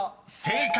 ［正解！